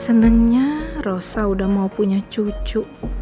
senangnya rosa udah mau punya cucu